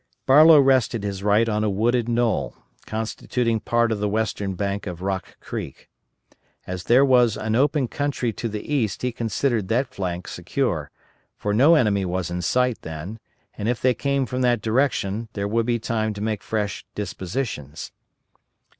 Barlow rested his right on a wooded knoll, constituting part of the western bank of Rock Creek. As there was an open country to the east he considered that flank secure, for no enemy was in sight then, and if they came from that direction, there would be time to make fresh dispositions.